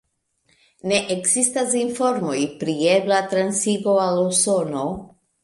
Ne ekzistas informoj pri ebla transigo al Usono.